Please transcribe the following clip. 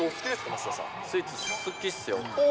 増田スイーツ好きっすよ。